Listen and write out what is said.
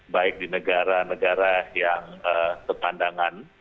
baik di negara negara yang sepandangan